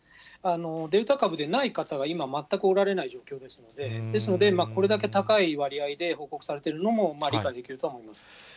デルタ株でない方が今、全くおられない状況ですので、ですので、これだけ高い割合で報告されてるのも理解できるとは思います。